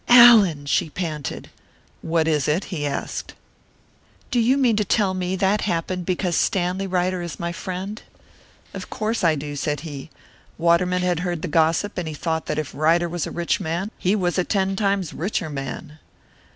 "Allan!" she panted. "What is it?" he asked. "Do you mean to tell me that happened to me because Stanley Ryder is my friend?" "Of course I do," said he. "Waterman had heard the gossip, and he thought that if Ryder was a rich man, he was a ten times richer man."